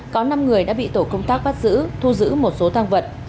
có năm người đã bị tổ công tác bắt giữ thu giữ một số tăng vật